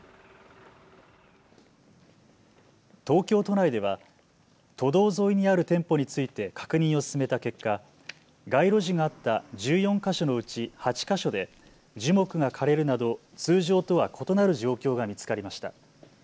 東京都内では都道沿いにある店舗について確認を進めた結果、街路樹があった１４か所のうち８か所で樹木が枯れるなど通常とは異なる状況が見つかりました。